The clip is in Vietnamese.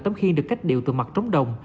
đóng khiên được cách điệu từ mặt trống đồng